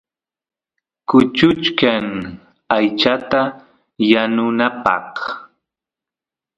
kuchuchkan aychata yanunapaq